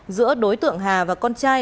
giữa đối tượng hà và con trai